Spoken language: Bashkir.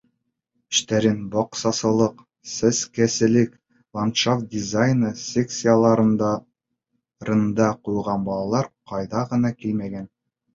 Эштәрен баҡсасылыҡ, сәскәселек, ландшафт дизайны секцияларында ҡуйған балалар ҡайҙан ғына килмәгән!